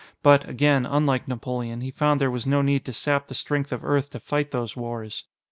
But, again, unlike Napoleon, he found there was no need to sap the strength of Earth to fight those wars.